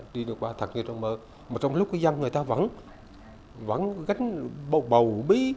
đi qua thật như trong mơ mà trong lúc dân người ta vẫn gánh bầu bí